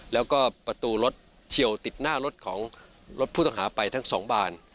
แล้วก็ประตูรถเฉียวติดหน้ารถของรถผู้ต้องหาไปทั้งสองบาน